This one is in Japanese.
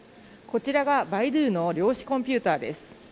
こちらがバイドゥの量子コンピューターです。